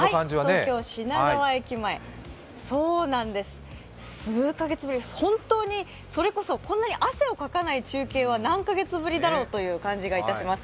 東京・品川駅前、数か月ぶり、本当にそれこそこんなに汗をかかない中継は何か月ぶりだろうという気がいたします。